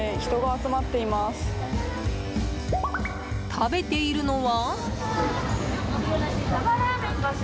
食べているのは？